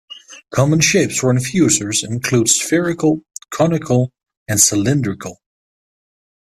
Common shapes for infusers include spherical, conical and cylindrical.